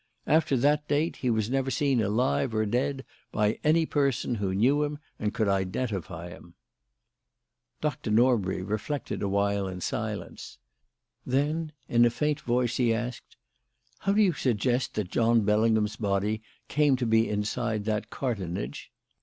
After that date he was never seen alive or dead by any person who knew him and could identify him." Dr. Norbury reflected awhile in silence. Then, in a faint voice, he asked: "How do you suggest that John Bellingham's body came to be inside that cartonnage?"